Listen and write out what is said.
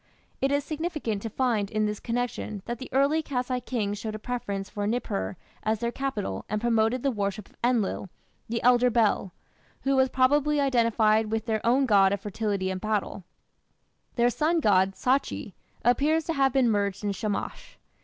It is significant to find in this connection that the early Kassite kings showed a preference for Nippur as their capital and promoted the worship of Enlil, the elder Bel, who was probably identified with their own god of fertility and battle. Their sun god, Sachi, appears to have been merged in Shamash.